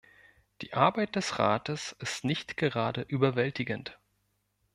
Die Arbeit des Rates ist nicht gerade überwältigend.